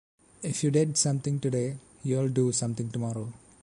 If you did something today, you’ll do something tomorrow.